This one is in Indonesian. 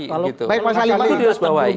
kalau baik mas sali itu digarisbawahi